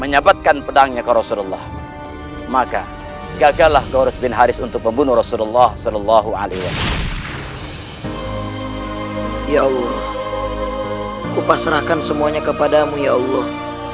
ya allah kupasrahkan semuanya kepadamu ya allah